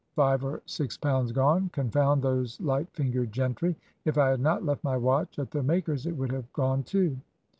Five or six pounds gone. Confound those light fingered gentry! If I had not left my watch at the maker's it would have gone, too.'